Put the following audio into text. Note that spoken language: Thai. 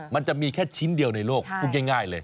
มันจะมีแค่ชิ้นเดียวในโลกพูดง่ายเลย